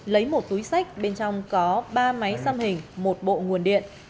lấy một túi sách bên trong có ba máy xăm hình một bộ nguồn điện